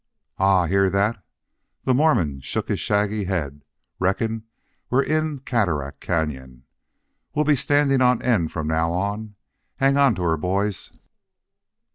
"Aha! Hear that?" The Mormon shook his shaggy head. "Reckon we're in Cataract Cañon. We'll be standing on end from now on. Hang on to her, boys!"